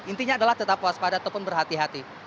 intinya adalah tetap waspada ataupun berhati hati